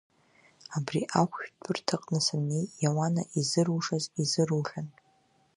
Абри ахәшәтәырҭаҟны саннеи, Иауана изырушаз изырухьан.